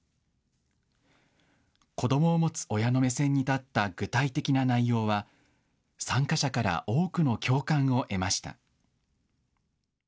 子どもを持つ親の目線に立った具体的な内容は、参加者から多くの共感を得ました。